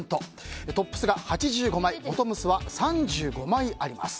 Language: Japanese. トップスが８５枚ボトムスは３５枚あります。